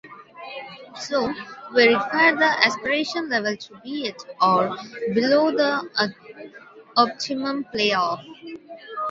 So, we require the aspiration level to be at or below the optimum payoff.